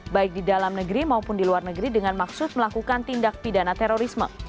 baik di dalam negeri maupun di luar negeri dengan maksud melakukan tindak pidana terorisme